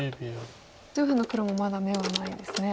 上辺の黒もまだ眼はないですね。